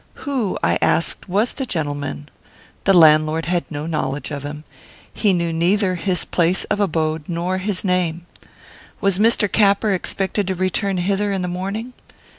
Who, I asked, was the gentleman? The landlord had no knowledge of him; he knew neither his place of abode nor his name. Was Mr. Capper expected to return hither in the morning?